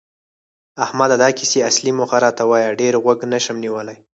احمده! د کیسې اصلي موخه راته وایه، ډېر غوږ نشم نیولی.